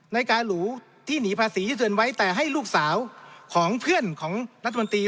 นาฬิกาหรูที่หนีภาษีที่เตือนไว้แต่ให้ลูกสาวของเพื่อนของรัฐมนตรี